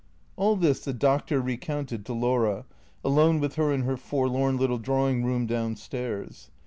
All this the Doctor recounted to Laura, alone with her in her forlorn little drawing room down stairs.